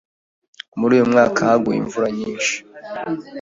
Muri uyu mwaka haguye imvura nyinshi.